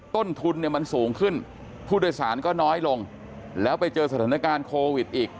ต้นทุนเนี่ยมันสูงขึ้นผู้โดยสารก็น้อยลงแล้วไปเจอสถานการณ์โควิดอีก